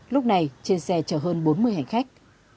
lúc này trên xe chở hơn bốn mươi hành khách